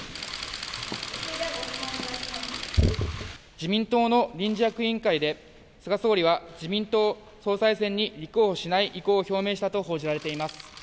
自民党の臨時役員会で、菅総理は自民党総裁選に立候補しない意向を表明したと報じられています。